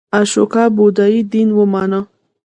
اشوکا بودایی دین ومانه.